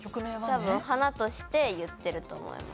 多分花として言ってると思います。